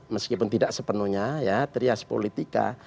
meskipun tidak sepenuhnya ya trias politika